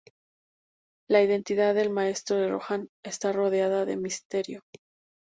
La identidad del Maestro de Rohan está rodeada de misterio.